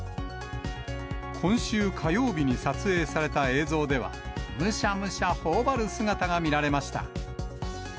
今週火曜日に撮影された映像では、むしゃむしゃほおばる姿が見られました。